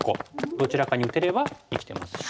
どちらかに打てれば生きてますし。